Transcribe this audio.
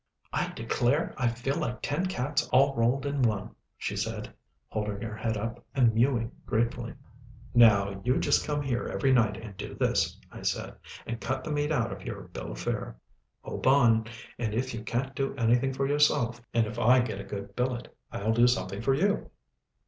"I declare I feel like ten cats all rolled in one," she said holding her head up, and mewing gratefully. "Now you just come here every night and do this," I said, "and cut the meat out of your bill of fare. Hope on, and if you can't do anything for yourself, and if I get a good billet, I'll do something for you."